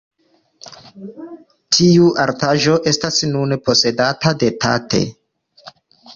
Tiu artaĵo estas nune posedata de Tate.